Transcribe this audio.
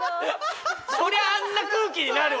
そりゃあんな空気になるわ